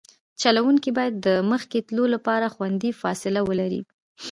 چلوونکی باید د مخکې تلو لپاره خوندي فاصله ولري